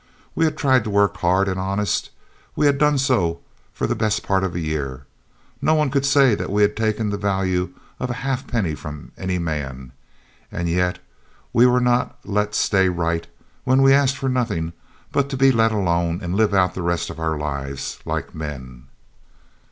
We had tried to work hard and honest. We had done so for best part of a year. No one could say we had taken the value of a halfpenny from any man. And yet we were not let stay right when we asked for nothing but to be let alone and live out the rest of our lives like men.